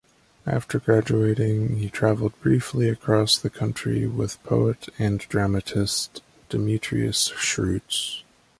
After graduating, he travelled briefly across the country with poet and dramatist Demetrius Schrutz.